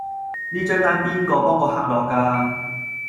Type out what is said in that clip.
呢張單邊個幫個客落㗎